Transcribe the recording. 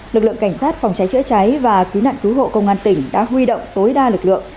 lực lượng cảnh sát phòng cháy chữa cháy và cứu nạn cứu hộ công an tỉnh đã huy động tối đa lực lượng